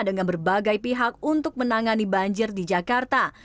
dengan berbagai pihak untuk menangani banjir di jakarta